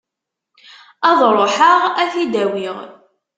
Ad ruḥeɣ ad t-id-awiɣ.